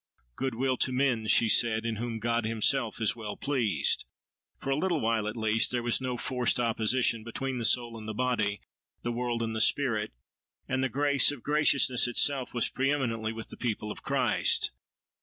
"Goodwill to men," she said, "in whom God Himself is well pleased!" For a little while, at least, there was no forced opposition between the soul and the body, the world and the spirit, and the grace of graciousness itself was pre eminently with the people of Christ.